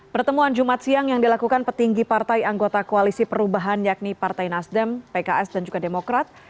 pertemuan jumat siang yang dilakukan petinggi partai anggota koalisi perubahan yakni partai nasdem pks dan juga demokrat